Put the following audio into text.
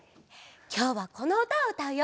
きょうはこのうたをうたうよ。